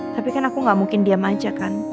tapi kan aku gak mungkin diam aja kan